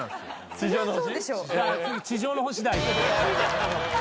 「地上の星」